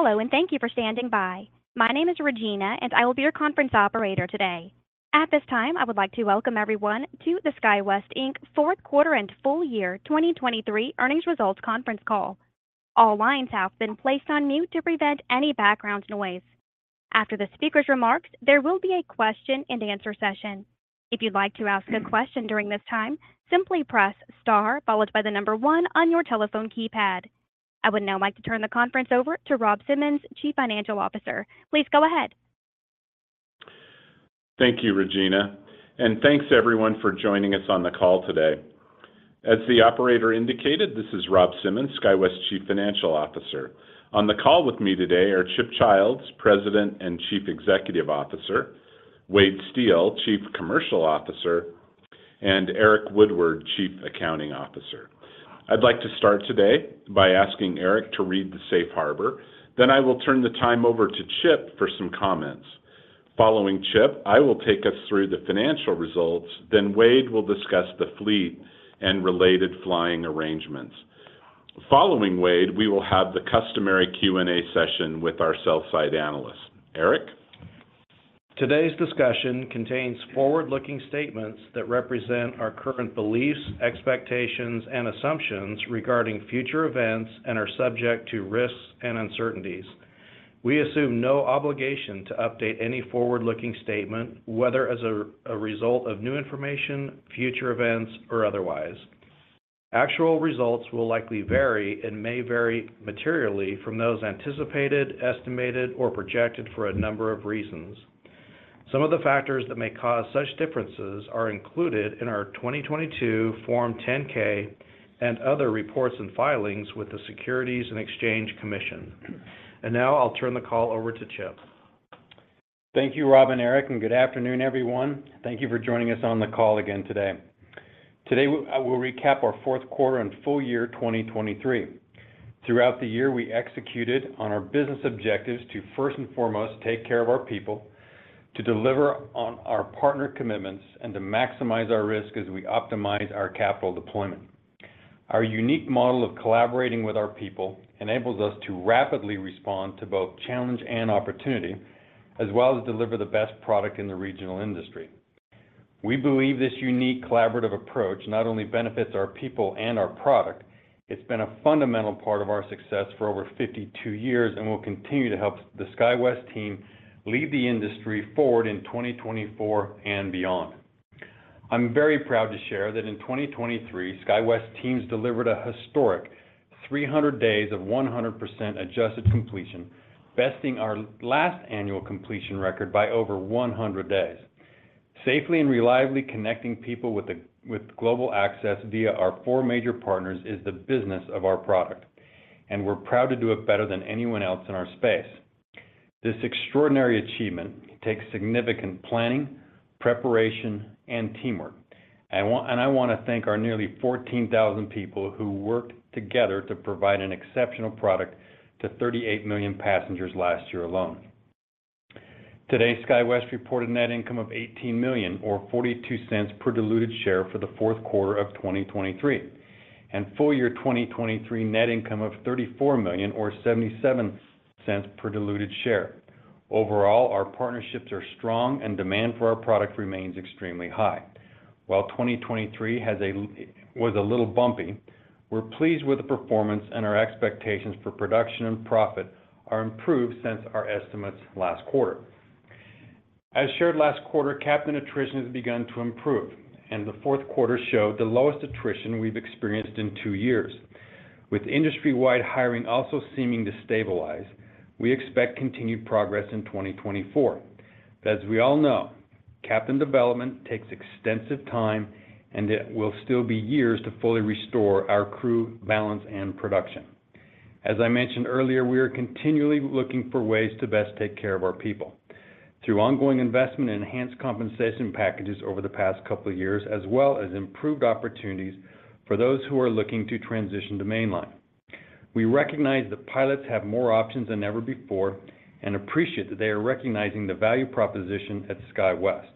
Hello, and thank you for standing by. My name is Regina, and I will be your conference operator today. At this time, I would like to welcome everyone to the SkyWest, Inc. Fourth Quarter and Full Year 2023 Earnings Results Conference Call. All lines have been placed on mute to prevent any background noise. After the speaker's remarks, there will be a question-and-answer session. If you'd like to ask a question during this time, simply press Star followed by the number 1 on your telephone keypad. I would now like to turn the conference over to Rob Simmons, Chief Financial Officer. Please go ahead. Thank you, Regina, and thanks everyone for joining us on the call today. As the operator indicated, this is Rob Simmons, SkyWest Chief Financial Officer. On the call with me today are Chip Childs, President and Chief Executive Officer, Wade Steel, Chief Commercial Officer, and Eric Woodward, Chief Accounting Officer. I'd like to start today by asking Eric to read the Safe Harbor. Then I will turn the time over to Chip for some comments. Following Chip, I will take us through the financial results, then Wade will discuss the fleet and related flying arrangements. Following Wade, we will have the customary Q&A session with our sell-side analysts. Eric? Today's discussion contains forward-looking statements that represent our current beliefs, expectations, and assumptions regarding future events and are subject to risks and uncertainties. We assume no obligation to update any forward-looking statement, whether as a result of new information, future events, or otherwise. Actual results will likely vary and may vary materially from those anticipated, estimated, or projected for a number of reasons. Some of the factors that may cause such differences are included in our 2022 Form 10-K and other reports and filings with the Securities and Exchange Commission. And now I'll turn the call over to Chip. Thank you, Rob and Eric, and good afternoon, everyone. Thank you for joining us on the call again today. Today, I will recap our fourth quarter and full year 2023. Throughout the year, we executed on our business objectives to, first and foremost, take care of our people, to deliver on our partner commitments, and to maximize our risk as we optimize our capital deployment. Our unique model of collaborating with our people enables us to rapidly respond to both challenge and opportunity, as well as deliver the best product in the regional industry. We believe this unique collaborative approach not only benefits our people and our product, it's been a fundamental part of our success for over 52 years and will continue to help the SkyWest team lead the industry forward in 2024 and beyond. I'm very proud to share that in 2023, SkyWest teams delivered a historic 300 days of 100% adjusted completion, besting our last annual completion record by over 100 days. Safely and reliably connecting people with global access via our four major partners is the business of our product, and we're proud to do it better than anyone else in our space. This extraordinary achievement takes significant planning, preparation, and teamwork. And I want to thank our nearly 14,000 people who worked together to provide an exceptional product to 38 million passengers last year alone. Today, SkyWest reported net income of $18 million or $0.42 per diluted share for the fourth quarter of 2023, and full year 2023 net income of $34 million or $0.77 per diluted share. Overall, our partnerships are strong and demand for our product remains extremely high. While 2023 was a little bumpy, we're pleased with the performance and our expectations for production and profit are improved since our estimates last quarter. As shared last quarter, captain attrition has begun to improve, and the fourth quarter showed the lowest attrition we've experienced in two years. With industry-wide hiring also seeming to stabilize, we expect continued progress in 2024. As we all know, captain development takes extensive time, and it will still be years to fully restore our crew balance and production. As I mentioned earlier, we are continually looking for ways to best take care of our people through ongoing investment and enhanced compensation packages over the past couple of years, as well as improved opportunities for those who are looking to transition to mainline. We recognize that pilots have more options than ever before and appreciate that they are recognizing the value proposition at SkyWest.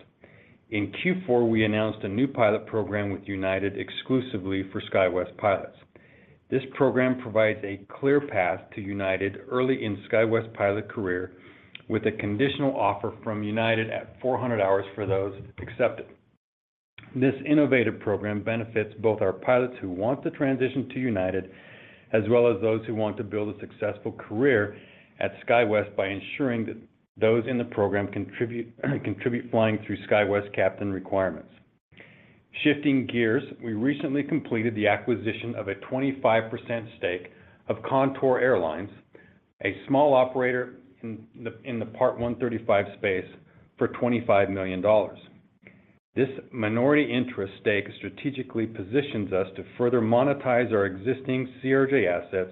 In Q4, we announced a new pilot program with United exclusively for SkyWest pilots. This program provides a clear path to United early in SkyWest pilot career, with a conditional offer from United at 400 hours for those accepted. This innovative program benefits both our pilots who want to transition to United, as well as those who want to build a successful career at SkyWest by ensuring that those in the program contribute flying through SkyWest captain requirements. Shifting gears, we recently completed the acquisition of a 25% stake of Contour Airlines, a small operator in the Part 135 space, for $25 million. This minority interest stake strategically positions us to further monetize our existing CRJ assets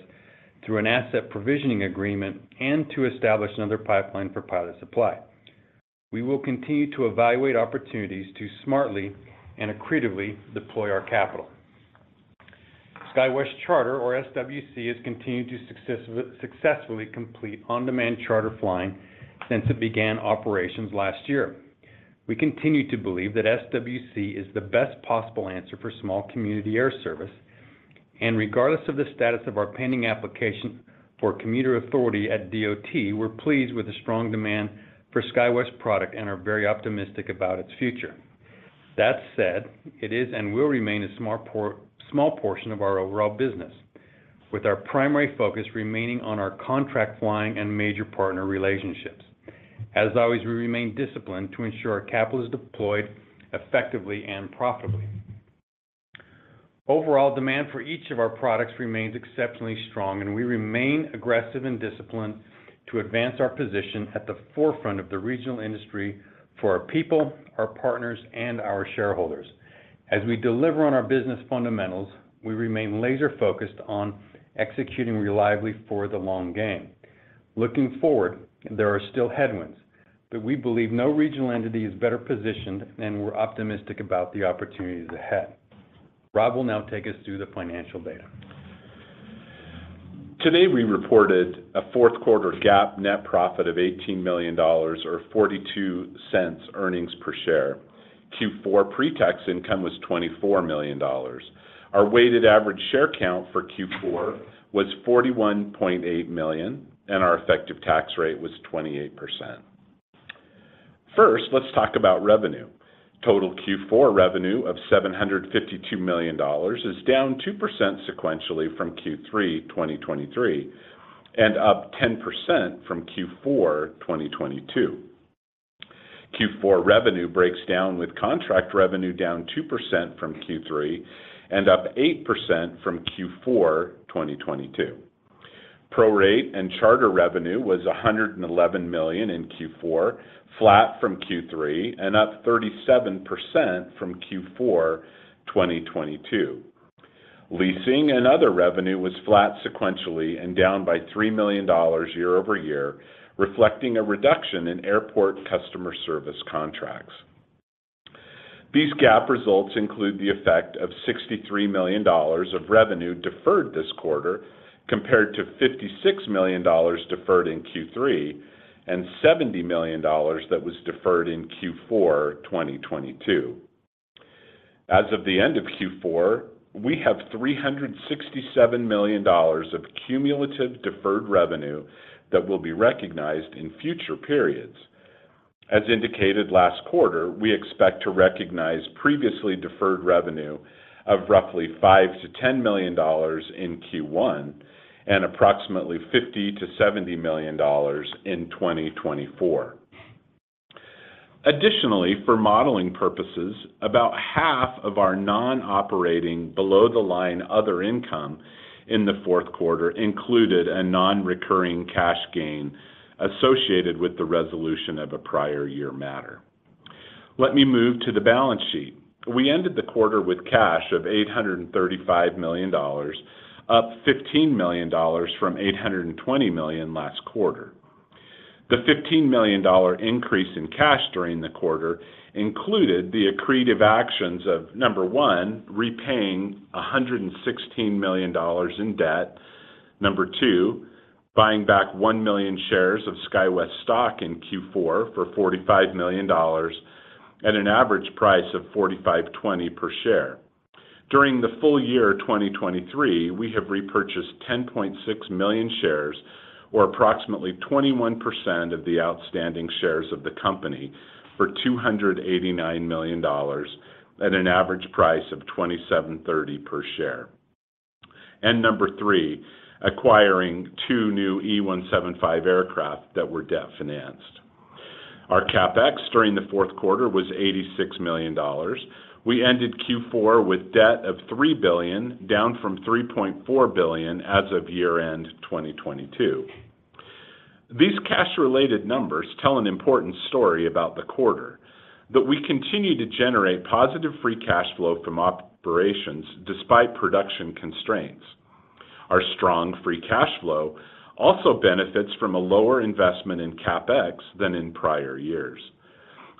through an asset provisioning agreement and to establish another pipeline for pilot supply. We will continue to evaluate opportunities to smartly and accretively deploy our capital. SkyWest Charter, or SWC, has continued to successfully complete on-demand charter flying since it began operations last year. We continue to believe that SWC is the best possible answer for small community air service. Regardless of the status of our pending application for commuter authority at DOT, we're pleased with the strong demand for SkyWest product and are very optimistic about its future. That said, it is and will remain a small portion of our overall business, with our primary focus remaining on our contract flying and major partner relationships. As always, we remain disciplined to ensure our capital is deployed effectively and profitably. Overall, demand for each of our products remains exceptionally strong, and we remain aggressive and disciplined to advance our position at the forefront of the regional industry for our people, our partners, and our shareholders. As we deliver on our business fundamentals, we remain laser-focused on executing reliably for the long game. Looking forward, there are still headwinds, but we believe no regional entity is better positioned, and we're optimistic about the opportunities ahead. Rob will now take us through the financial data. Today, we reported a fourth quarter GAAP net profit of $18 million or $0.42 earnings per share. Q4 pretax income was $24 million. Our weighted average share count for Q4 was 41.8 million, and our effective tax rate was 28%. First, let's talk about revenue. Total Q4 revenue of $752 million is down 2% sequentially from Q3 2023 and up 10% from Q4 2022. Q4 revenue breaks down, with contract revenue down 2% from Q3 and up 8% from Q4 2022. Prorate and charter revenue was $111 million in Q4, flat from Q3 and up 37% from Q4 2022. Leasing and other revenue was flat sequentially and down by $3 million year-over-year, reflecting a reduction in airport customer service contracts. These GAAP results include the effect of $63 million of revenue deferred this quarter, compared to $56 million deferred in Q3 and $70 million that was deferred in Q4 2022. As of the end of Q4, we have $367 million of cumulative deferred revenue that will be recognized in future periods. As indicated last quarter, we expect to recognize previously deferred revenue of roughly $5 million-$10 million in Q1 and approximately $50 million-$70 million in 2024. Additionally, for modeling purposes, about half of our non-operating below the line other income in the fourth quarter included a non-recurring cash gain associated with the resolution of a prior year matter. Let me move to the balance sheet. We ended the quarter with cash of $835 million, up $15 million from $820 million last quarter. The $15 million increase in cash during the quarter included the accretive actions of, number one, repaying $116 million in debt. Number two, buying back 1 million shares of SkyWest stock in Q4 for $45 million at an average price of $45.20 per share. During the full year 2023, we have repurchased 10.6 million shares, or approximately 21% of the outstanding shares of the company, for $289 million at an average price of $27.30 per share. And number three, acquiring two new E175 aircraft that were debt-financed. Our CapEx during the fourth quarter was $86 million. We ended Q4 with debt of $3 billion, down from $3.4 billion as of year-end 2022. These cash-related numbers tell an important story about the quarter, that we continue to generate positive free cash flow from operations despite production constraints. Our strong free cash flow also benefits from a lower investment in CapEx than in prior years.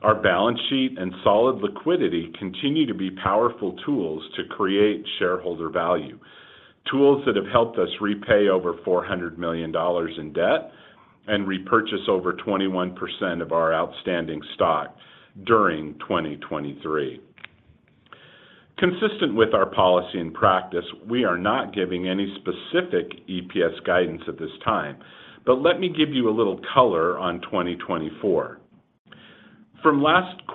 Our balance sheet and solid liquidity continue to be powerful tools to create shareholder value, tools that have helped us repay over $400 million in debt and repurchase over 21% of our outstanding stock during 2023. Consistent with our policy in practice, we are not giving any specific EPS guidance at this time, but let me give you a little color on 2024. From last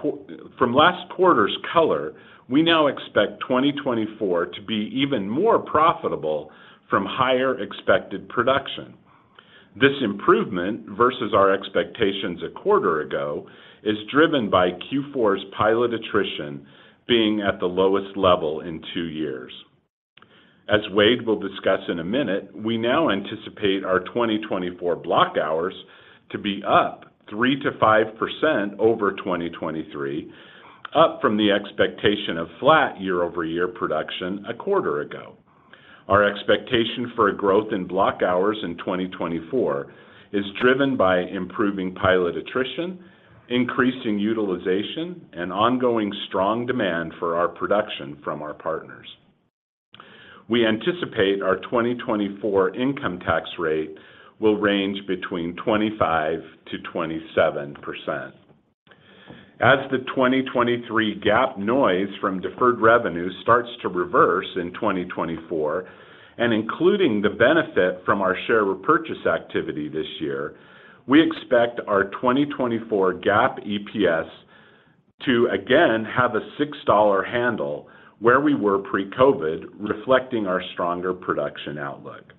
quarter's color, we now expect 2024 to be even more profitable from higher expected production. This improvement versus our expectations a quarter ago is driven by Q4's pilot attrition being at the lowest level in two years. As Wade will discuss in a minute, we now anticipate our 2024 block hours to be up 3%-5% over 2023, up from the expectation of flat year-over-year production a quarter ago. Our expectation for a growth in block hours in 2024 is driven by improving pilot attrition, increasing utilization, and ongoing strong demand for our production from our partners.... We anticipate our 2024 income tax rate will range between 25%-27%. As the 2023 GAAP noise from deferred revenue starts to reverse in 2024, and including the benefit from our share repurchase activity this year, we expect our 2024 GAAP EPS to again have a $6 handle where we were pre-COVID, reflecting our stronger production outlook.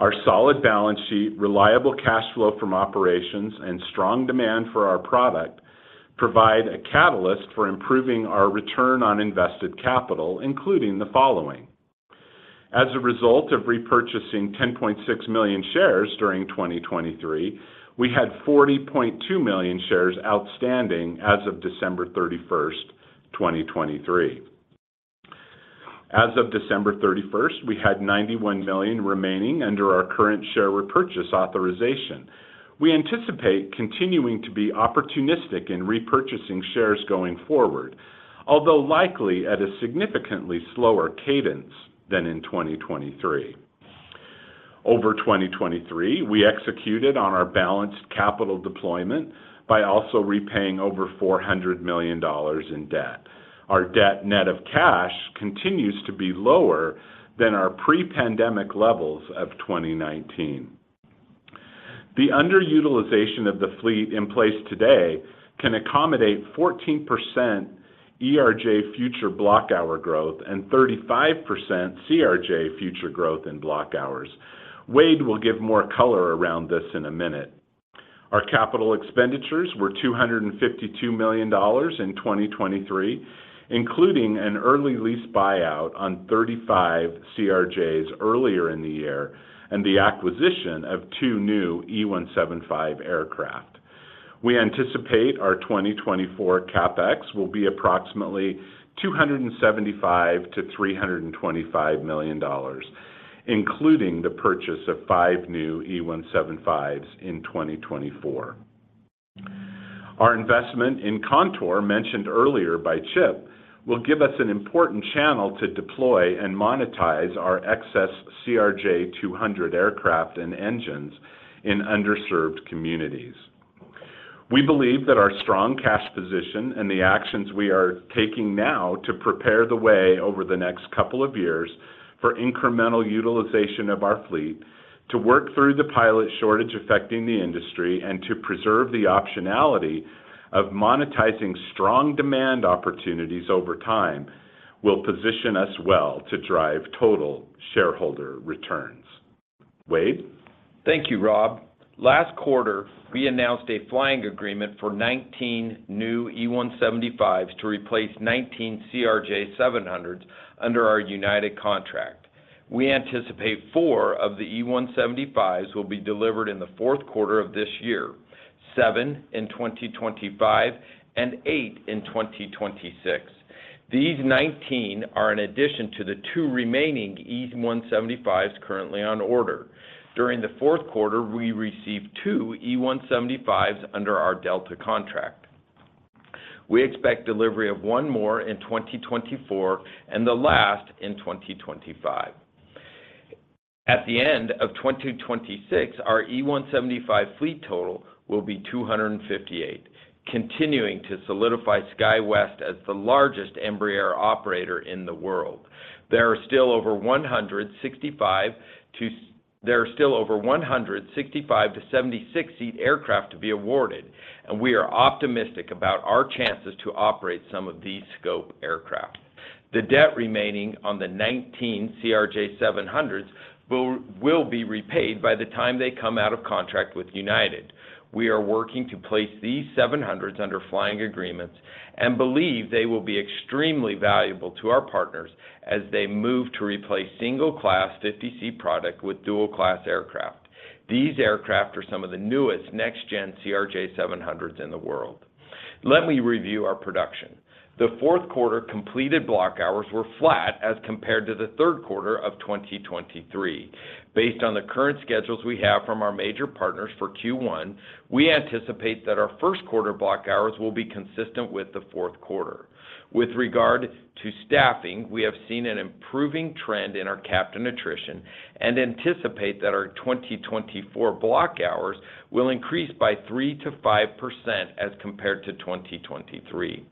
Our solid balance sheet, reliable cash flow from operations, and strong demand for our product provide a catalyst for improving our return on invested capital, including the following. As a result of repurchasing 10.6 million shares during 2023, we had 40.2 million shares outstanding as of December 31st, 2023. As of December 31st, we had 91 million remaining under our current share repurchase authorization. We anticipate continuing to be opportunistic in repurchasing shares going forward, although likely at a significantly slower cadence than in 2023. Over 2023, we executed on our balanced capital deployment by also repaying over $400 million in debt. Our debt net of cash continues to be lower than our pre-pandemic levels of 2019. The underutilization of the fleet in place today can accommodate 14% ERJ future block hour growth and 35% CRJ future growth in block hours. Wade will give more color around this in a minute. Our capital expenditures were $252 million in 2023, including an early lease buyout on 35 CRJs earlier in the year and the acquisition of 2 new E175 aircraft. We anticipate our 2024 CapEx will be approximately $275 million-$325 million, including the purchase of 5 new E175s in 2024. Our investment in Contour, mentioned earlier by Chip, will give us an important channel to deploy and monetize our excess CRJ200 aircraft and engines in underserved communities. We believe that our strong cash position and the actions we are taking now to prepare the way over the next couple of years for incremental utilization of our fleet, to work through the pilot shortage affecting the industry, and to preserve the optionality of monetizing strong demand opportunities over time, will position us well to drive total shareholder returns. Wade? Thank you, Rob. Last quarter, we announced a flying agreement for 19 new E175s to replace 19 CRJ700s under our United contract. We anticipate 4 of the E175s will be delivered in the fourth quarter of this year, 7 in 2025, and 8 in 2026. These 19 are in addition to the 2 remaining E175s currently on order. During the fourth quarter, we received 2 E175s under our Delta contract. We expect delivery of 1 more in 2024 and the last in 2025. At the end of 2026, our E175 fleet total will be 258, continuing to solidify SkyWest as the largest Embraer operator in the world. There are still over 165 to 76-seat aircraft to be awarded, and we are optimistic about our chances to operate some of these scope aircraft. The debt remaining on the 19 CRJ700s will be repaid by the time they come out of contract with United. We are working to place these 700s under flying agreements and believe they will be extremely valuable to our partners as they move to replace single-class 50-seat product with dual-class aircraft. These aircraft are some of the newest next-gen CRJ700s in the world. Let me review our production. The fourth quarter completed block hours were flat as compared to the third quarter of 2023. Based on the current schedules we have from our major partners for Q1, we anticipate that our first quarter block hours will be consistent with the fourth quarter. With regard to staffing, we have seen an improving trend in our captain attrition and anticipate that our 2024 block hours will increase by 3%-5% as compared to 2023.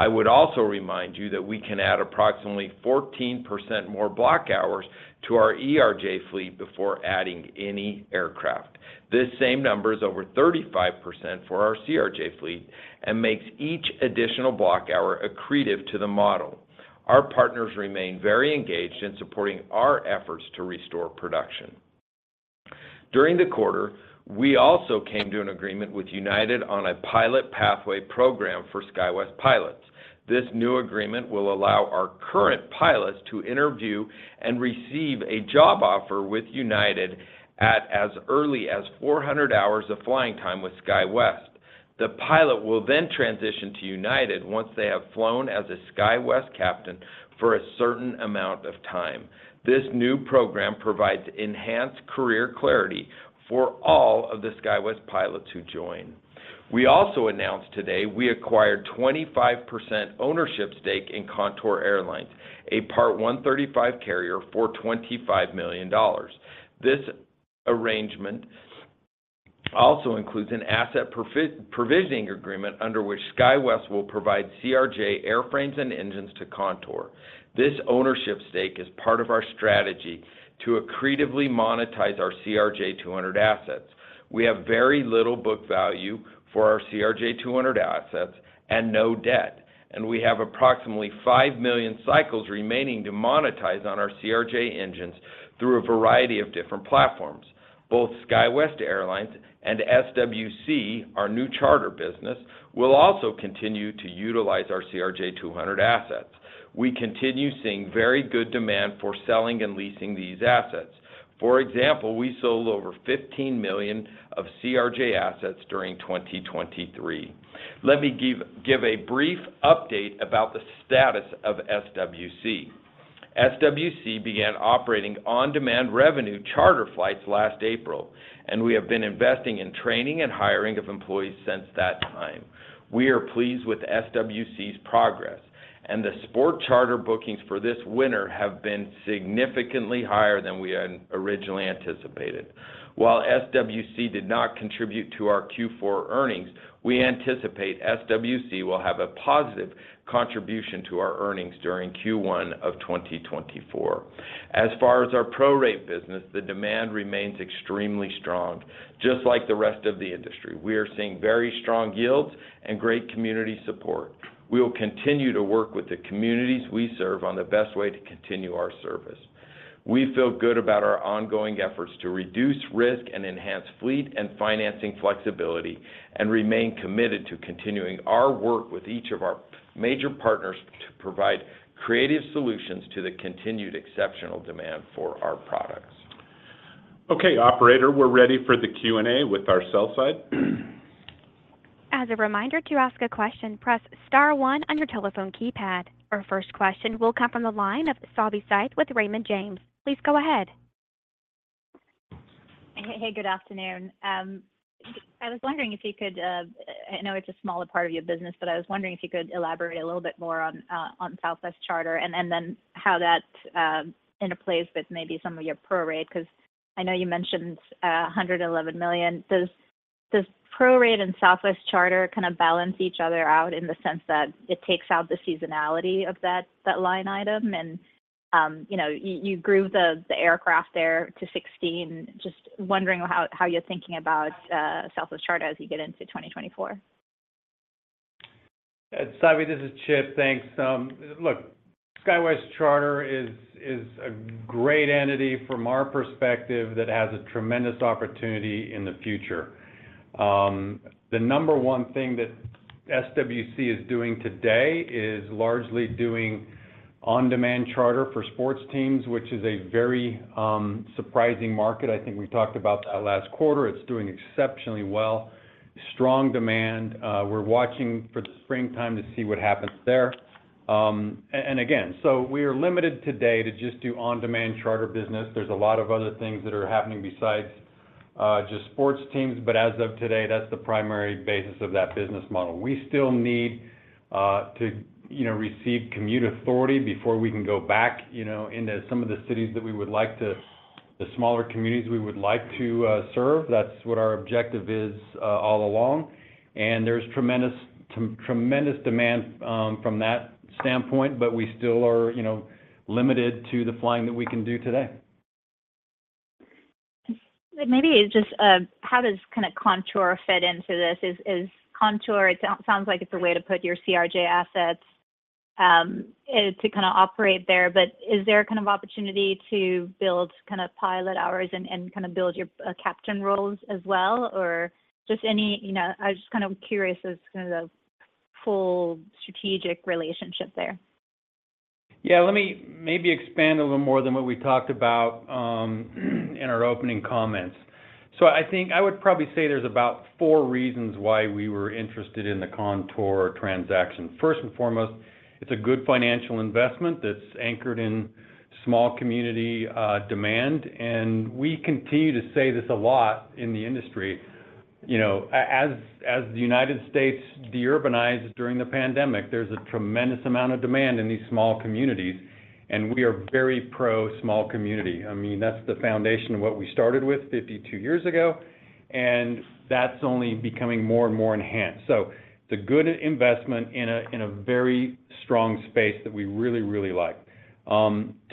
I would also remind you that we can add approximately 14% more block hours to our ERJ fleet before adding any aircraft. This same number is over 35% for our CRJ fleet and makes each additional block hour accretive to the model. Our partners remain very engaged in supporting our efforts to restore production. During the quarter, we also came to an agreement with United on a pilot pathway program for SkyWest pilots. This new agreement will allow our current pilots to interview and receive a job offer with United at as early as 400 hours of flying time with SkyWest. The pilot will then transition to United once they have flown as a SkyWest captain for a certain amount of time. This new program provides enhanced career clarity for all of the SkyWest pilots who join. We also announced today we acquired 25% ownership stake in Contour Airlines, a Part 135 carrier, for $25 million. This arrangement also includes an asset provisioning agreement under which SkyWest will provide CRJ airframes and engines to Contour. This ownership stake is part of our strategy to accretively monetize our CRJ200 assets. We have very little book value for our CRJ200 assets and no debt, and we have approximately 5 million cycles remaining to monetize on our CRJ engines through a variety of different platforms. Both SkyWest Airlines and SWC, our new charter business, will also continue to utilize our CRJ200 assets. We continue seeing very good demand for selling and leasing these assets. For example, we sold over $15 million of CRJ assets during 2023. Let me give a brief update about the status of SWC. SWC began operating on-demand revenue charter flights last April, and we have been investing in training and hiring of employees since that time. We are pleased with SWC's progress, and the sports charter bookings for this winter have been significantly higher than we had originally anticipated. While SWC did not contribute to our Q4 earnings, we anticipate SWC will have a positive contribution to our earnings during Q1 of 2024. As far as our prorate business, the demand remains extremely strong, just like the rest of the industry. We are seeing very strong yields and great community support. We will continue to work with the communities we serve on the best way to continue our service. We feel good about our ongoing efforts to reduce risk and enhance fleet and financing flexibility, and remain committed to continuing our work with each of our major partners to provide creative solutions to the continued exceptional demand for our products. Okay, operator, we're ready for the Q&A with our sell side. As a reminder, to ask a question, press Star one on your telephone keypad. Our first question will come from the line of Savi Syth with Raymond James. Please go ahead. Hey, good afternoon. I was wondering if you could, I know it's a smaller part of your business, but I was wondering if you could elaborate a little bit more on, on SkyWest Charter, and then how that, interplays with maybe some of your prorate, because I know you mentioned, hundred and eleven million. Does prorate and SkyWest Charter kind of balance each other out in the sense that it takes out the seasonality of that, that line item? And, you know, you, you grew the, the aircraft there to 16. Just wondering how, how you're thinking about, SkyWest Charter as you get into 2024. Savi, this is Chip. Thanks. Look, SkyWest Charter is a great entity from our perspective, that has a tremendous opportunity in the future. The number one thing that SWC is doing today is largely doing on-demand charter for sports teams, which is a very surprising market. I think we talked about that last quarter. It's doing exceptionally well. Strong demand, we're watching for the springtime to see what happens there. And again, so we are limited today to just do on-demand charter business. There's a lot of other things that are happening besides just sports teams, but as of today, that's the primary basis of that business model. We still need to, you know, receive commuter authority before we can go back, you know, into some of the cities that we would like to-- the smaller communities we would like to serve. That's what our objective is all along, and there's tremendous, tremendous demand from that standpoint, but we still are, you know, limited to the flying that we can do today. Maybe just, how does Contour fit into this? Is Contour—it sounds like it's a way to put your CRJ assets to kind of operate there, but is there a kind of opportunity to build kind of pilot hours and kind of build your captain roles as well, or just any... You know, I'm just kind of curious as to the full strategic relationship there. Yeah, let me maybe expand a little more than what we talked about in our opening comments. So I think I would probably say there's about four reasons why we were interested in the Contour transaction. First and foremost, it's a good financial investment that's anchored in small community demand, and we continue to say this a lot in the industry. You know, as the United States deurbanized during the pandemic, there's a tremendous amount of demand in these small communities, and we are very pro-small community. I mean, that's the foundation of what we started with 52 years ago, and that's only becoming more and more enhanced. So it's a good investment in a very strong space that we really, really like.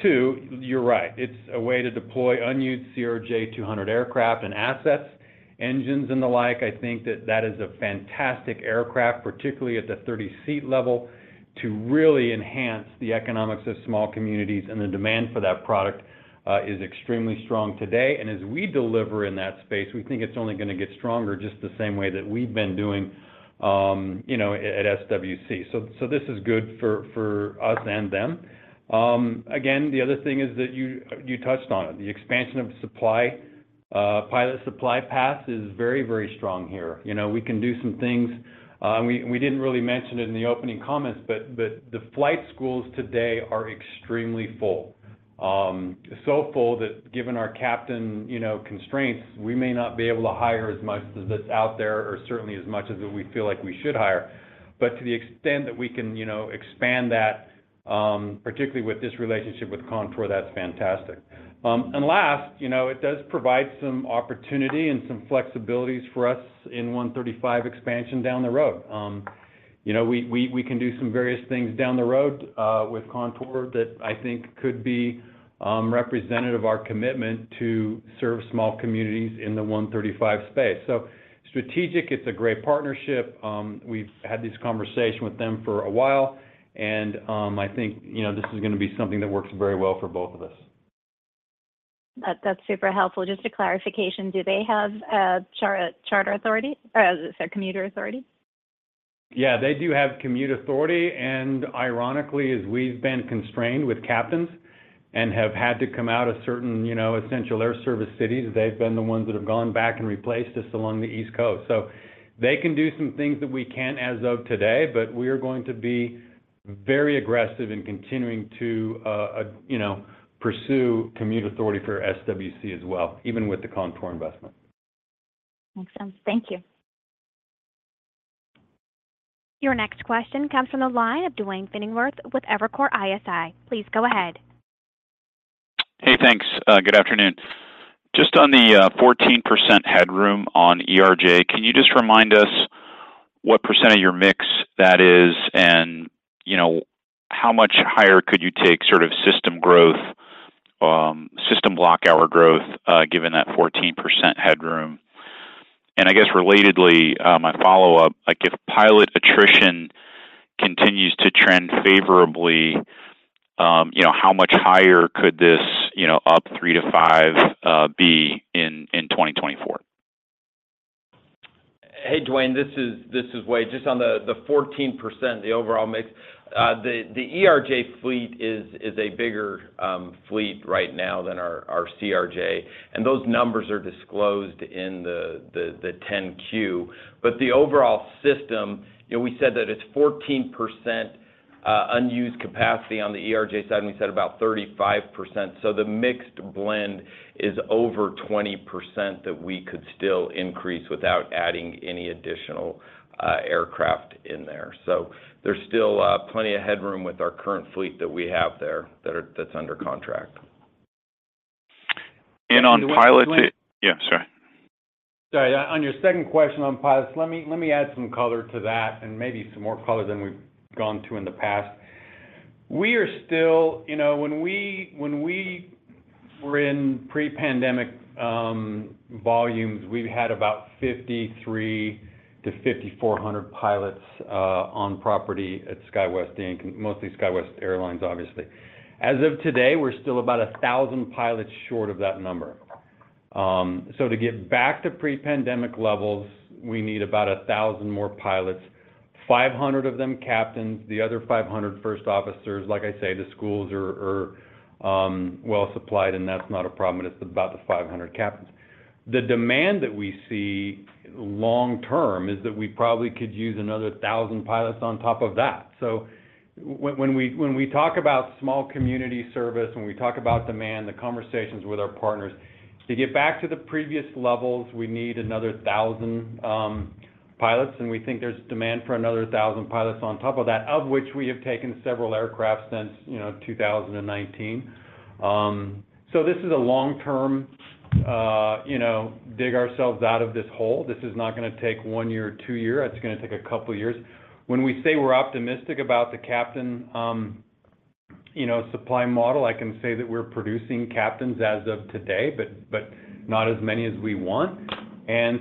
Two, you're right, it's a way to deploy unused CRJ200 aircraft and assets, engines and the like. I think that that is a fantastic aircraft, particularly at the 30-seat level, to really enhance the economics of small communities, and the demand for that product is extremely strong today. And as we deliver in that space, we think it's only going to get stronger, just the same way that we've been doing, you know, at SWC. So this is good for us and them. Again, the other thing is that you touched on it, the expansion of supply, pilot supply path is very, very strong here. You know, we can do some things, and we didn't really mention it in the opening comments, but the flight schools today are extremely full. So fully that given our capacity constraints, we may not be able to hire as much as that's out there, or certainly as much as we feel like we should hire. But to the extent that we can, you know, expand that, particularly with this relationship with Contour, that's fantastic. And last, you know, it does provide some opportunity and some flexibilities for us in 135 expansion down the road. You know, we can do some various things down the road with Contour that I think could be representative of our commitment to serve small communities in the 135 space. So strategic, it's a great partnership. We've had this conversation with them for a while, and I think, you know, this is gonna be something that works very well for both of us. That's super helpful. Just a clarification, do they have a commuter authority? Yeah, they do have commuter authority, and ironically, as we've been constrained with captains and have had to come out of certain, you know, Essential Air Service cities, they've been the ones that have gone back and replaced us along the East Coast. So they can do some things that we can't as of today, but we are going to be very aggressive in continuing to, you know, pursue commuter authority for SWC as well, even with the Contour investment. Excellent. Thank you. Your next question comes from the line of Duane Pfennigwerth with Evercore ISI. Please go ahead. Hey, thanks. Good afternoon. Just on the 14% headroom on ERJ, can you just remind us what percent of your mix that is, and, you know, how much higher could you take sort of system growth, system block hour growth, given that 14% headroom? And I guess, relatedly, my follow-up, like, if pilot attrition continues to trend favorably, you know, how much higher could this, you know, up 3-5, be in 2024? Hey, Duane, this is Wade. Just on the 14%, the overall mix. The ERJ fleet is a bigger fleet right now than our CRJ, and those numbers are disclosed in the 10-Q. But the overall system, you know, we said that it's 14% unused capacity on the ERJ side, and we said about 35%. So the mixed blend is over 20% that we could still increase without adding any additional aircraft in there. So there's still plenty of headroom with our current fleet that we have there, that's under contract. And on pilots- And Duane- Yeah, sorry. Sorry. On your second question on pilots, let me add some color to that, and maybe some more color than we've gone to in the past. We are still... You know, when we were in pre-pandemic volumes, we had about 5,300 to 5,400 pilots on property at SkyWest, Inc., mostly SkyWest Airlines, obviously. As of today, we're still about 1,000 pilots short of that number. So to get back to pre-pandemic levels, we need about 1,000 more pilots, 500 of them captains, the other 500, first officers. Like I say, the schools are well-supplied, and that's not a problem, and it's about the 500 captains. The demand that we see long term is that we probably could use another 1,000 pilots on top of that. When we talk about small community service, when we talk about demand, the conversations with our partners to get back to the previous levels, we need another 1,000 pilots, and we think there's demand for another 1,000 pilots on top of that, of which we have taken several aircraft since, you know, 2019. So this is a long-term, you know, dig ourselves out of this hole. This is not gonna take 1 year or 2 year, it's gonna take a couple of years. When we say we're optimistic about the captain supply model, I can say that we're producing captains as of today, but not as many as we want.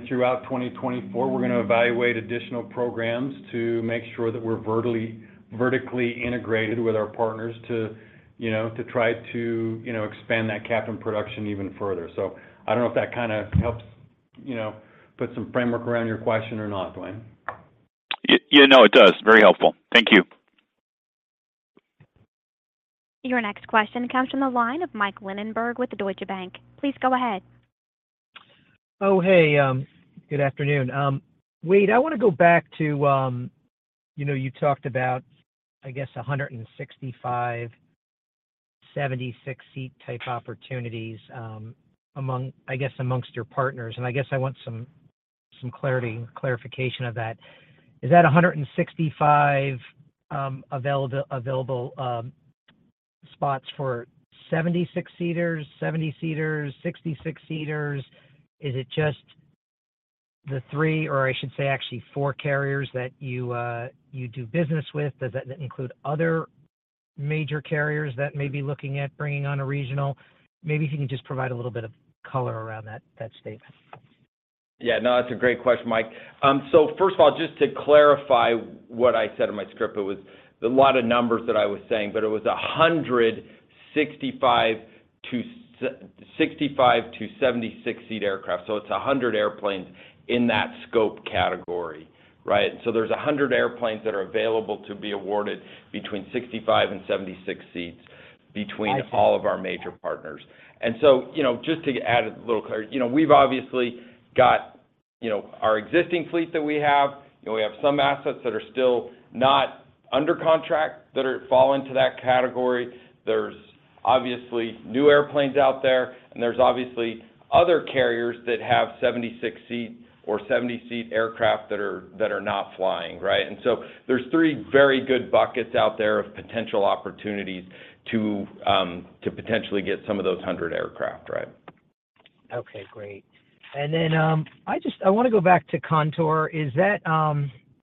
Throughout 2024, we're gonna evaluate additional programs to make sure that we're vertically integrated with our partners to, you know, to try to, you know, expand that captain production even further. So I don't know if that kinda helps, you know, put some framework around your question or not, Duane. Yeah, no, it does. Very helpful. Thank you. Your next question comes from the line of Mike Linenberg with Deutsche Bank. Please go ahead. Oh, hey, good afternoon. Wade, I wanna go back to... You know, you talked about, I guess, 165, 76 seat type opportunities, amongst your partners, and I guess I want some clarity, clarification of that. Is that 165 available spots for 76 seaters, 70 seaters, 66 seaters? Is it just the 3, or I should say actually 4 carriers that you do business with? Does that include other major carriers that may be looking at bringing on a regional? Maybe if you can just provide a little bit of color around that statement. Yeah, no, that's a great question, Mike. So first of all, just to clarify what I said in my script, it was a lot of numbers that I was saying, but it was 100 65-76 seat aircraft. So it's 100 airplanes in that scope category, right? So there's 100 airplanes that are available to be awarded between 65 and 76 seats between- I see. all of our major partners. So, you know, just to add a little clarity, you know, we've obviously got... you know, our existing fleet that we have, you know, we have some assets that are still not under contract that are fall into that category. There's obviously new airplanes out there, and there's obviously other carriers that have 76-seat or 70-seat aircraft that are, that are not flying, right? And so there's three very good buckets out there of potential opportunities to, to potentially get some of those 100 aircraft, right. Okay, great. And then, I just, I wanna go back to Contour. Is that...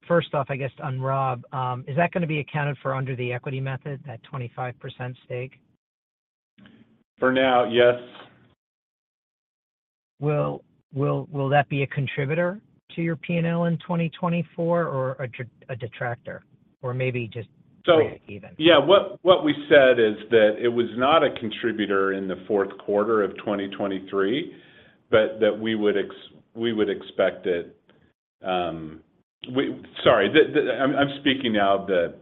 first off, I guess, to unwrap, is that gonna be accounted for under the equity method, that 25% stake? For now, yes. Will that be a contributor to your P&L in 2024 or a detractor, or maybe just- So- -even?... yeah, what we said is that it was not a contributor in the fourth quarter of 2023, but that we would expect it. Sorry, I'm speaking now that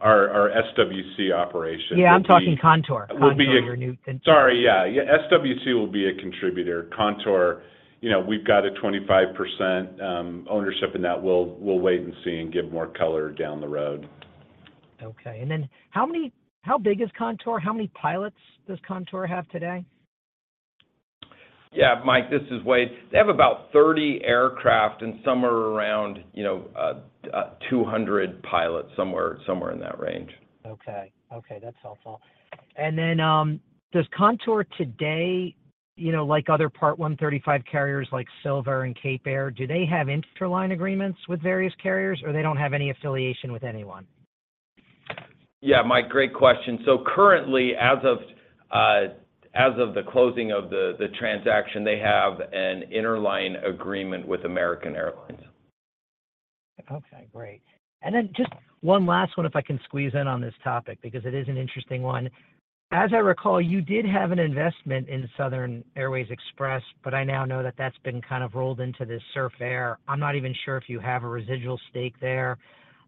our SWC operation- Yeah, I'm talking Contour. Will be a- Contour, your new contributor. Sorry, yeah. Yeah, SWC will be a contributor. Contour, you know, we've got a 25% ownership in that. We'll wait and see and give more color down the road. Okay. And then how big is Contour? How many pilots does Contour have today? Yeah, Mike, this is Wade. They have about 30 aircraft and somewhere around, you know, 200 pilots, somewhere, somewhere in that range. Okay. Okay, that's helpful. And then, does Contour today, you know, like other Part 135 carriers, like Silver and Cape Air, do they have interline agreements with various carriers, or they don't have any affiliation with anyone? Yeah, Mike, great question. So currently, as of the closing of the transaction, they have an interline agreement with American Airlines. Okay, great. And then just one last one, if I can squeeze in on this topic, because it is an interesting one. As I recall, you did have an investment in Southern Airways Express, but I now know that that's been kind of rolled into this Surf Air. I'm not even sure if you have a residual stake there.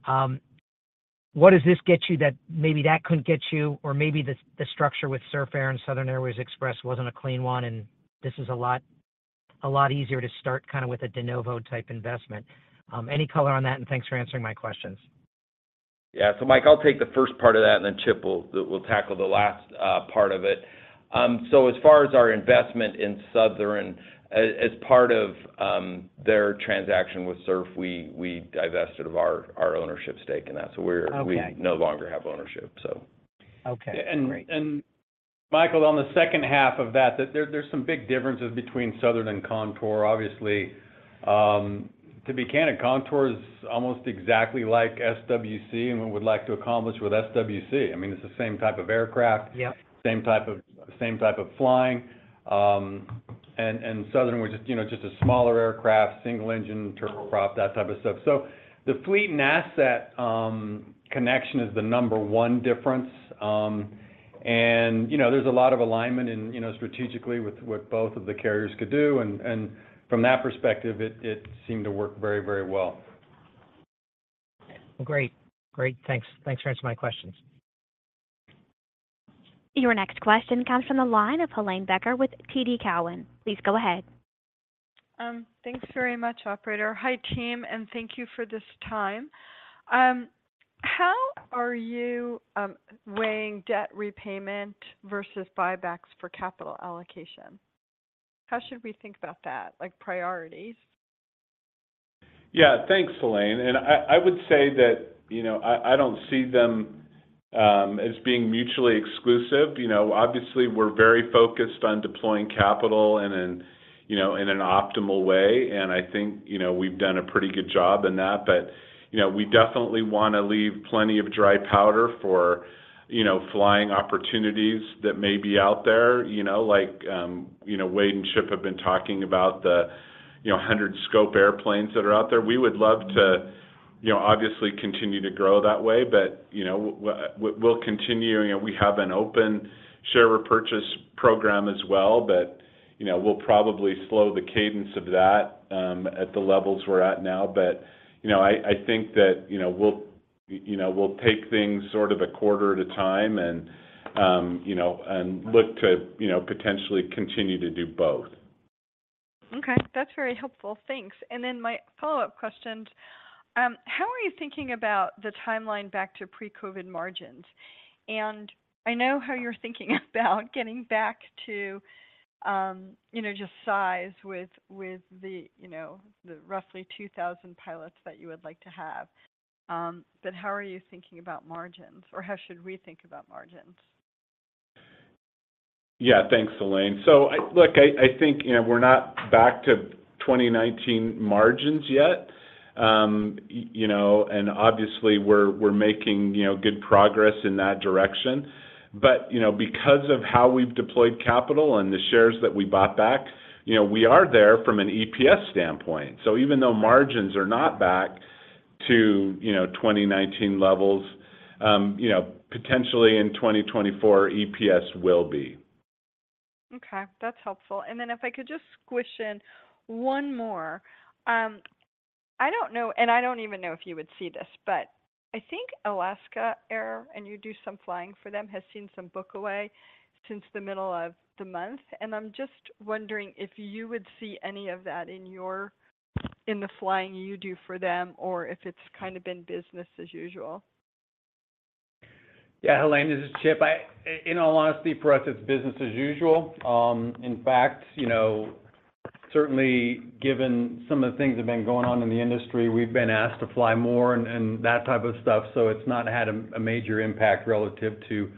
What does this get you that maybe that couldn't get you? Or maybe the structure with Surf Air and Southern Airways Express wasn't a clean one, and this is a lot, a lot easier to start, kind of with a de novo type investment. Any color on that, and thanks for answering my questions. Yeah. So Mike, I'll take the first part of that, and then Chip will tackle the last part of it. So as far as our investment in Southern, as part of their transaction with Surf, we divested of our ownership stake in that. So we're- Okay. We no longer have ownership, so. Okay, great. And Michael, on the second half of that, there's some big differences between Southern and Contour. Obviously, to be candid, Contour is almost exactly like SWC and what we'd like to accomplish with SWC. I mean, it's the same type of aircraft- Yep. same type of, same type of flying. And Southern was just, you know, just a smaller aircraft, single engine, turboprop, that type of stuff. So the fleet and asset connection is the number one difference. And, you know, there's a lot of alignment in, you know, strategically with what both of the carriers could do, and from that perspective, it seemed to work very, very well. Great. Great, thanks. Thanks for answering my questions. Your next question comes from the line of Helane Becker with TD Cowen. Please go ahead. Thanks very much, operator. Hi, team, and thank you for this time. How are you weighing debt repayment versus buybacks for capital allocation? How should we think about that, like, priorities? Yeah. Thanks, Helane. And I would say that, you know, I don't see them as being mutually exclusive. You know, obviously, we're very focused on deploying capital and in, you know, in an optimal way, and I think, you know, we've done a pretty good job in that. But, you know, we definitely want to leave plenty of dry powder for, you know, flying opportunities that may be out there. You know, like, you know, Wade and Chip have been talking about the, you know, 100 scope airplanes that are out there. We would love to, you know, obviously continue to grow that way, but, you know, we'll continue. You know, we have an open share repurchase program as well, but, you know, we'll probably slow the cadence of that at the levels we're at now. But, you know, I think that, you know, we'll take things sort of a quarter at a time and, you know, and look to, you know, potentially continue to do both. Okay. That's very helpful. Thanks. And then my follow-up question, how are you thinking about the timeline back to pre-COVID margins? And I know how you're thinking about getting back to, you know, just size with the, you know, the roughly 2,000 pilots that you would like to have. But how are you thinking about margins, or how should we think about margins? Yeah. Thanks, Helane. So look, I think, you know, we're not back to 2019 margins yet. You know, and obviously, we're making, you know, good progress in that direction. But, you know, because of how we've deployed capital and the shares that we bought back, you know, we are there from an EPS standpoint. So even though margins are not back to, you know, 2019 levels, you know, potentially in 2024, EPS will be. Okay, that's helpful. And then if I could just squeeze in one more, I don't know, and I don't even know if you would see this, but I think Alaska Airlines, and you do some flying for them, has seen some book away since the middle of the month. And I'm just wondering if you would see any of that in your, in the flying you do for them, or if it's kind of been business as usual? Yeah, Helane, this is Chip. In all honesty, for us, it's business as usual. In fact, you know, certainly, given some of the things that have been going on in the industry, we've been asked to fly more and that type of stuff, so it's not had a major impact relative to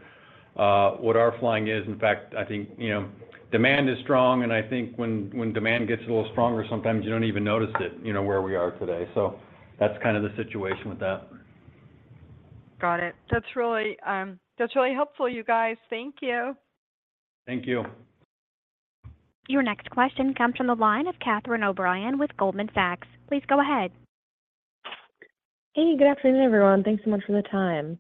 what our flying is. In fact, I think, you know, demand is strong, and I think when demand gets a little stronger, sometimes you don't even notice it, you know, where we are today. So that's kind of the situation with that. Got it. That's really, that's really helpful, you guys. Thank you. Thank you. Your next question comes from the line of Catherine O'Brien with Goldman Sachs. Please go ahead. Hey, good afternoon, everyone. Thanks so much for the time.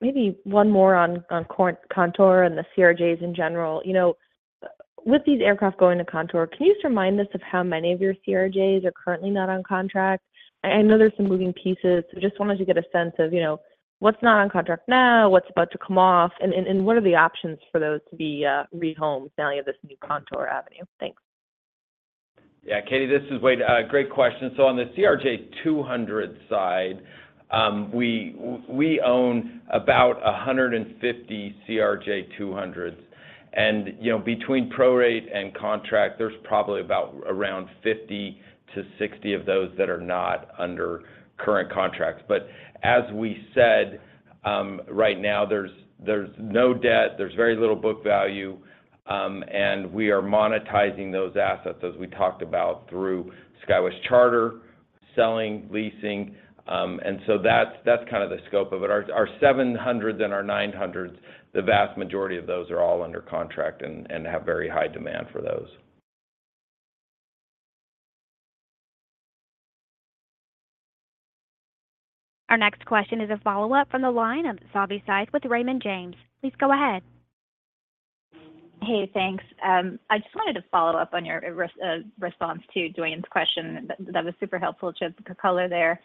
Maybe one more on Contour and the CRJs in general. You know, with these aircraft going to Contour, can you just remind us of how many of your CRJs are currently not on contract? I know there's some moving pieces, so just wanted to get a sense of, you know, what's not on contract now, what's about to come off, and what are the options for those to be rehomed now you have this new Contour avenue? Thanks. Yeah, Katie, this is Wade. Great question. So on the CRJ200 side, we own about 150 CRJ200s. And, you know, between prorate and contract, there's probably about around 50-60 of those that are not under current contracts. But as we said, right now, there's no debt, there's very little book value, and we are monetizing those assets, as we talked about, through SkyWest Charter, selling, leasing. And so that's kind of the scope of it. Our 700s and our 900s, the vast majority of those are all under contract and have very high demand for those. Our next question is a follow-up from the line of Savi Syth with Raymond James. Please go ahead. Hey, thanks. I just wanted to follow up on your response to Duane's question. That, that was super helpful, Chip, the color there.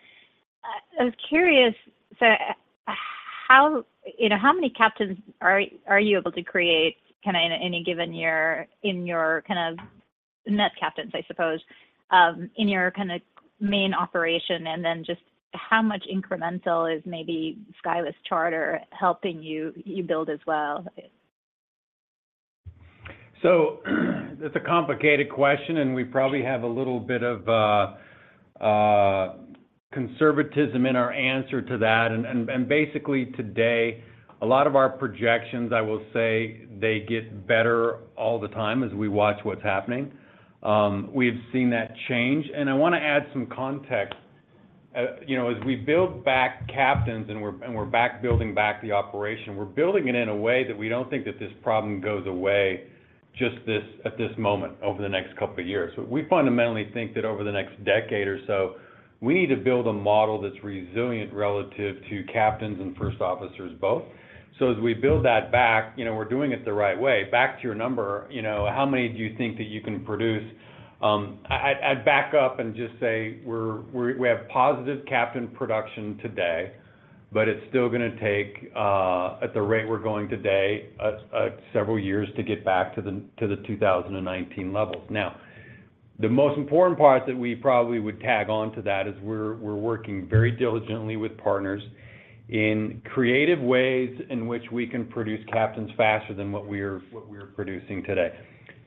I was curious, so how, you know, how many captains are you able to create, kind of, in any given year in your kind of net captains, I suppose, in your kind of main operation? And then just how much incremental is maybe SkyWest Charter helping you build as well? So that's a complicated question, and we probably have a little bit of conservatism in our answer to that. And basically, today, a lot of our projections, I will say they get better all the time as we watch what's happening. We've seen that change, and I wanna add some context. You know, as we build back captains and we're building back the operation, we're building it in a way that we don't think that this problem goes away just at this moment, over the next couple of years. We fundamentally think that over the next decade or so, we need to build a model that's resilient relative to captains and first officers both. So as we build that back, you know, we're doing it the right way. Back to your number, you know, how many do you think that you can produce? I'd back up and just say we have positive captain production today, but it's still gonna take, at the rate we're going today, several years to get back to the 2019 levels. Now, the most important part that we probably would tag on to that is we're working very diligently with partners in creative ways in which we can produce captains faster than what we're producing today.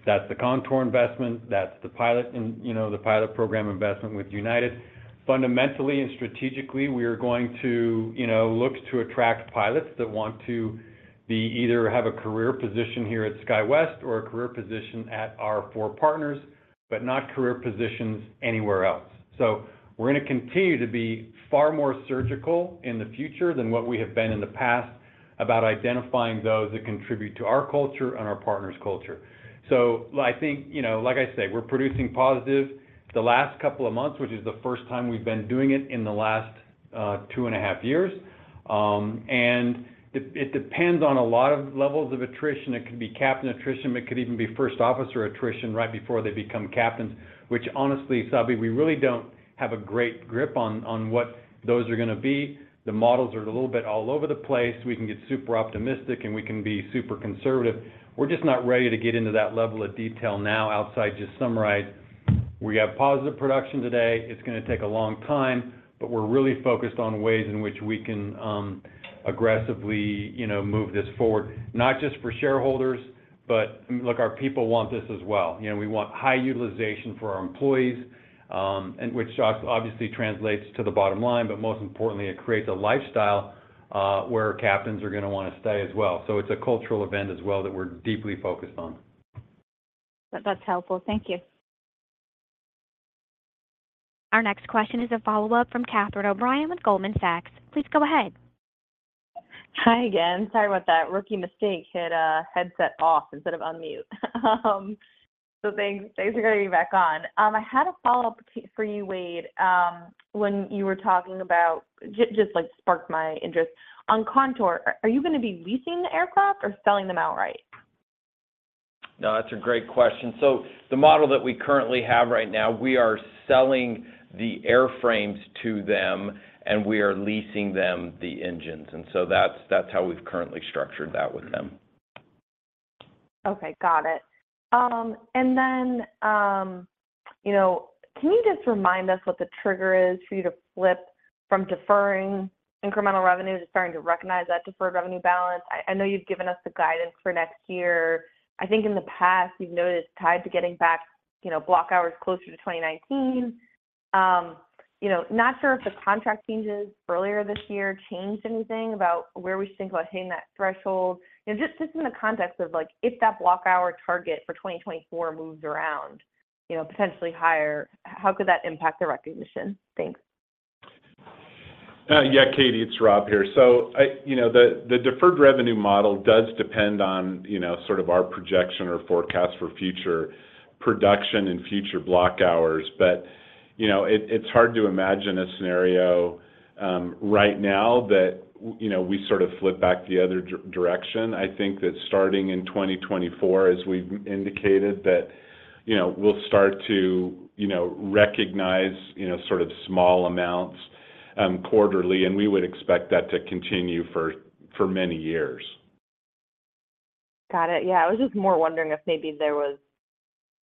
That's the Contour investment, that's the pilot and, you know, the pilot program investment with United. Fundamentally and strategically, we are going to, you know, look to attract pilots that want to be either have a career position here at SkyWest or a career position at our 4 partners, but not career positions anywhere else. So we're gonna continue to be far more surgical in the future than what we have been in the past about identifying those that contribute to our culture and our partners' culture. So I think, you know, like I said, we're producing positive the last couple of months, which is the first time we've been doing it in the last 2.5 years. And it depends on a lot of levels of attrition. It could be captain attrition, but it could even be first officer attrition right before they become captains, which honestly, Savi, we really don't have a great grip on, on what those are gonna be. The models are a little bit all over the place. We can get super optimistic, and we can be super conservative. We're just not ready to get into that level of detail now outside just summarize, we have positive production today. It's gonna take a long time, but we're really focused on ways in which we can aggressively, you know, move this forward, not just for shareholders, but, look, our people want this as well. You know, we want high utilization for our employees, and which obviously translates to the bottom line, but most importantly, it creates a lifestyle where our captains are gonna wanna stay as well. So it's a cultural event as well, that we're deeply focused on. That's helpful. Thank you. Our next question is a follow-up from Catherine O'Brien with Goldman Sachs. Please go ahead. Hi again. Sorry about that. Rookie mistake, hit headset off instead of unmute. So thanks. Thanks for getting me back on. I had a follow-up for you, Wade. When you were talking about... Just, like, sparked my interest. On Contour, are you gonna be leasing the aircraft or selling them outright?... No, that's a great question. So the model that we currently have right now, we are selling the airframes to them, and we are leasing them the engines. And so that's, that's how we've currently structured that with them. Okay, got it. And then, you know, can you just remind us what the trigger is for you to flip from deferring incremental revenue to starting to recognize that deferred revenue balance? I know you've given us the guidance for next year. I think in the past, you've noted it's tied to getting back, you know, block hours closer to 2019. You know, not sure if the contract changes earlier this year changed anything about where we should think about hitting that threshold. You know, just, just in the context of, like, if that block hour target for 2024 moves around, you know, potentially higher, how could that impact the recognition? Thanks. Yeah, Katie, it's Rob here. So, you know, the deferred revenue model does depend on, you know, sort of our projection or forecast for future production and future block hours. But, you know, it's hard to imagine a scenario right now that you know, we sort of flip back the other direction. I think that starting in 2024, as we've indicated, that, you know, we'll start to, you know, recognize, you know, sort of small amounts quarterly, and we would expect that to continue for many years. Got it. Yeah, I was just more wondering if maybe there was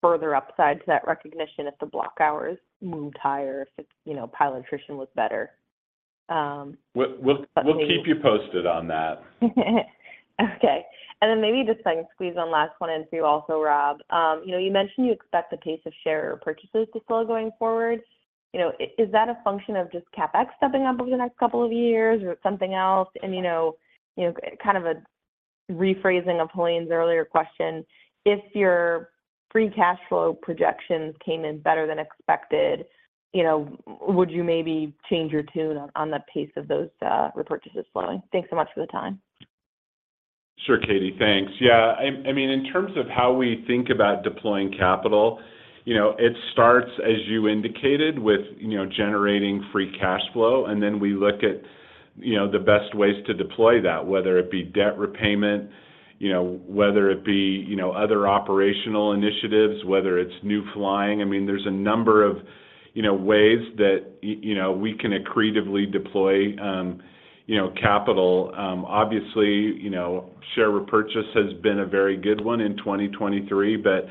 further upside to that recognition if the block hours moved higher, if the, you know, pilot attrition was better. But maybe- We'll keep you posted on that. Okay. And then maybe just if I can squeeze one last one in for you also, Rob. You know, you mentioned you expect the pace of share repurchases to slow going forward. You know, is that a function of just CapEx stepping up over the next couple of years, or it's something else? And, you know, you know, kind of a rephrasing of Helane's earlier question, if your free cash flow projections came in better than expected, you know, would you maybe change your tune on the pace of those repurchases slowing? Thanks so much for the time. Sure, Katie. Thanks. Yeah, I mean, in terms of how we think about deploying capital, you know, it starts, as you indicated, with, you know, generating free cash flow, and then we look at, you know, the best ways to deploy that, whether it be debt repayment, you know, whether it be, you know, other operational initiatives, whether it's new flying. I mean, there's a number of, you know, ways that you know, we can accretively deploy, you know, capital. Obviously, you know, share repurchase has been a very good one in 2023, but,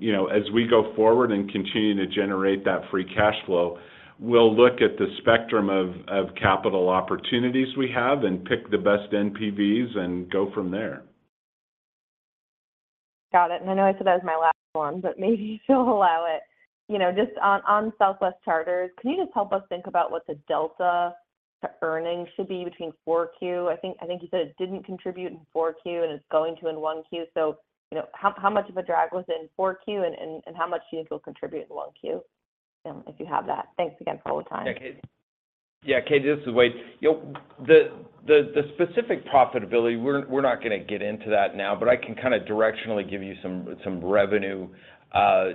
you know, as we go forward and continue to generate that free cash flow, we'll look at the spectrum of capital opportunities we have and pick the best NPVs and go from there. Got it. I know I said that was my last one, but maybe you'll allow it. You know, just on SkyWest Charter, can you just help us think about what the delta to earnings should be between Q4? I think you said it didn't contribute in Q4, and it's going to in Q1. So, you know, how much of a drag was it in Q4, and how much do you think it'll contribute in Q1? If you have that. Thanks again for all the time. Yeah, Katie. Yeah, Katie, this is Wade. You know, the, the, the specific profitability, we're, we're not gonna get into that now, but I can kinda directionally give you some, some revenue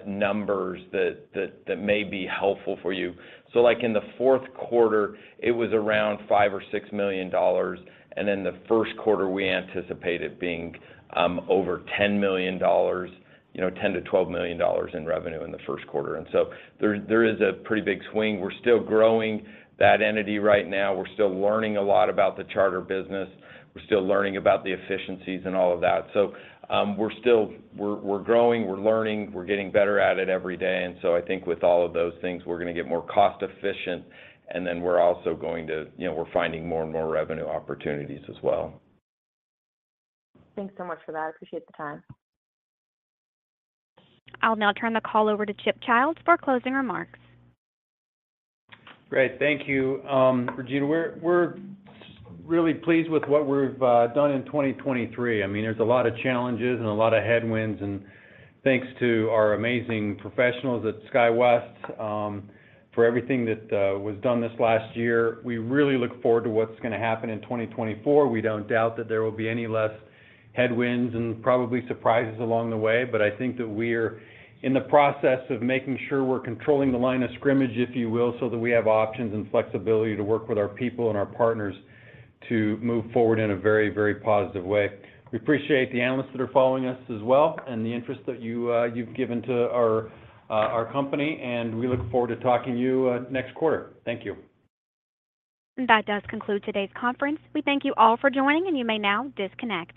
numbers that, that, that may be helpful for you. So, like, in the fourth quarter, it was around $5 million-$6 million, and then the first quarter, we anticipate it being over $10 million, you know, $10 million-$12 million in revenue in the first quarter. And so there, there is a pretty big swing. We're still growing that entity right now. We're still learning a lot about the charter business. We're still learning about the efficiencies and all of that. We're still growing, we're learning, we're getting better at it every day, and so I think with all of those things, we're gonna get more cost-efficient, and then we're also going to. You know, we're finding more and more revenue opportunities as well. Thanks so much for that. I appreciate the time. I'll now turn the call over to Chip Childs for closing remarks. Great. Thank you, Regina. We're, we're really pleased with what we've done in 2023. I mean, there's a lot of challenges and a lot of headwinds, and thanks to our amazing professionals at SkyWest, for everything that was done this last year. We really look forward to what's gonna happen in 2024. We don't doubt that there will be any less headwinds and probably surprises along the way, but I think that we're in the process of making sure we're controlling the line of scrimmage, if you will, so that we have options and flexibility to work with our people and our partners to move forward in a very, very positive way. We appreciate the analysts that are following us as well and the interest that you, you've given to our, our company, and we look forward to talking to you, next quarter. Thank you. That does conclude today's conference. We thank you all for joining, and you may now disconnect.